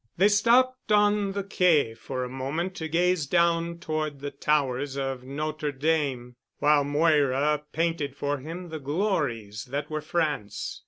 They stopped on the quai for a moment to gaze down toward the towers of Notre Dame, while Moira painted for him the glories that were France.